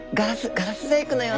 ガラス細工のような。